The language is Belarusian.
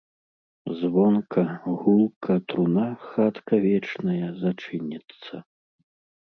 Звонка, гулка труна, хатка вечная, зачыніцца.